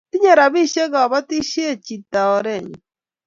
Tinye robishe kabotishe chita oree nyu.